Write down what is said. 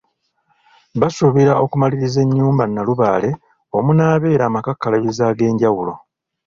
Basuubira okumaliriza ennyumba Nalubaale omunaabeera amakakkalabizo ag’enjawulo.